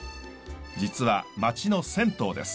実は町の銭湯です。